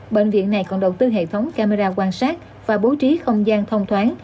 bệnh viện này còn đầu tư hệ thống camera quan sát và bố trí không gian thông thoáng